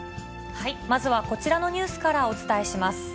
まずはこちらのニュースからお伝えします。